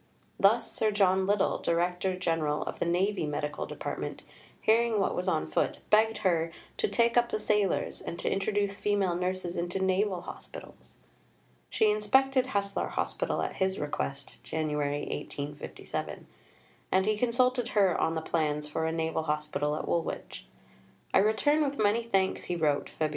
Thus Sir John Liddell, Director General of the Navy Medical Department, hearing what was on foot, begged her "to take up the sailors," and to "introduce female nurses into naval hospitals." She inspected Haslar Hospital at his request (Jan. 1857), and he consulted her on the plans for a Naval Hospital at Woolwich. "I return with many thanks," he wrote (Feb.